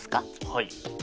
はい。